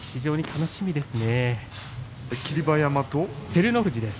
楽しみですね。